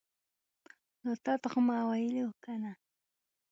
نو تاته خو ما ویلې وو کنه